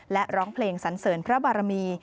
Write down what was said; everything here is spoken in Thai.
และร้องเพลงสันเสริญพระบารมี